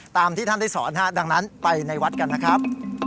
ตามที่ท่านได้สอนดังนั้นไปในวัดกันนะครับ